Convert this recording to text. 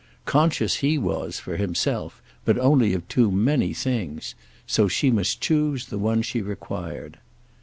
Conscious he was, for himself—but only of too many things; so she must choose the one she required.